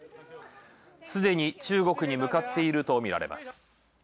すでに中国に向かっているとみられます。